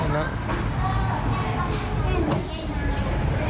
ไม่ได้นะ